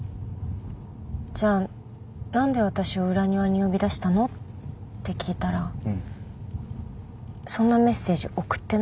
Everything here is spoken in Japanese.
じゃあなんで私を裏庭に呼び出したの？って聞いたらそんなメッセージ送ってないって。